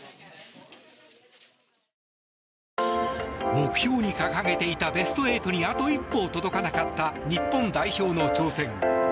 目標に掲げていたベスト８にあと一歩届かなかった日本代表の挑戦。